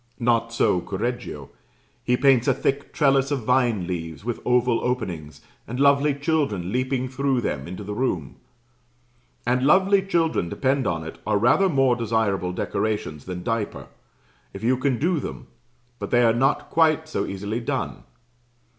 Not so Correggio: he paints a thick trellis of vine leaves, with oval openings, and lovely children leaping through them into the room; and lovely children, depend upon it, are rather more desirable decorations than diaper, if you can do them but they are not quite so easily done.